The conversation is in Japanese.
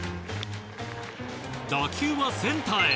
打球はセンターへ。